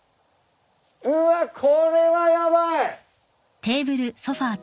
うわこれはヤバい！